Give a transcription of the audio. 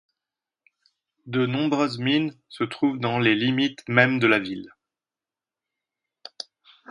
De nombreuses mines se trouvent dans les limites mêmes de la ville.